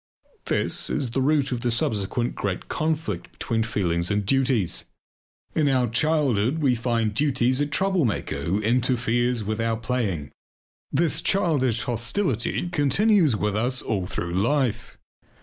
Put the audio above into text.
This is the root of the subsequent great conflict between feelings and duties. In our childhood we find duties a troublemaker who interferes with our playing; this childish hostility continues with us all through life.